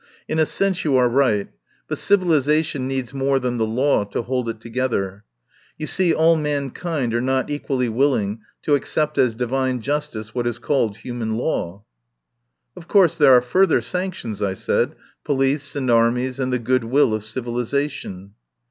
"In a sense you are right. But civilisation needs more than the law to hold it together. You see all mankind are not equally willing to accept as divine justice what is called hu man law." "Of course there are further sanctions," I said. "Police and armies and the good will of civilisation."